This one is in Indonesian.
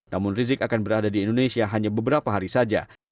namun rizik akan berada di indonesia hanya beberapa hari saja